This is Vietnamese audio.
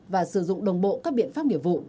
và sử dụng đồng bộ các biện pháp nghiệp vụ